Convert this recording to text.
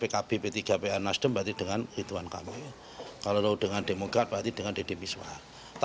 ketua dpd golkar jabar yang mengusung deddy miswar